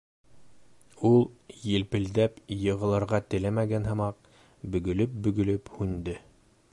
Ул, елпелдәп, йығылырға теләмәгән һымаҡ, бөгөлөп-бөгөлөп һүнде.